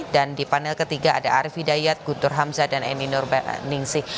dan di panel ketiga ada arif hidayat guntur hamzah dan eni nurbaningsi